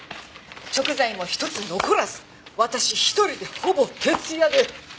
食材も１つ残らず私１人でほぼ徹夜で。